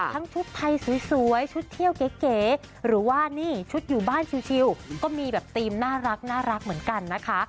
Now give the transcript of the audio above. ทั้งชุดไทยสวยชุดเที่ยวเก๋หรือว่านี่ชุดอยู่บ้านชิวก็มีแบบธีมน่ารักเหมือนกันนะคะ